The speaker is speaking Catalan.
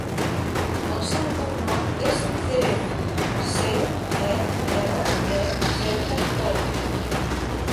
El seu cognom és Cerezo: ce, e, erra, e, zeta, o.